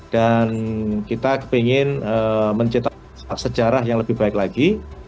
kita ingin menciptakan sejarah yang lebih baik lagi